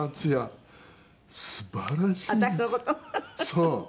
そう。